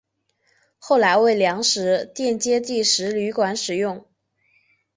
后来为粮食店街第十旅馆使用。